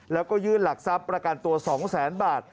แล้วก็ยื่นหลักทรัพย์ประกันตัว๒แสนบาท